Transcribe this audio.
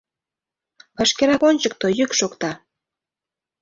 — Вашкерак, ончыко! — йӱк шокта.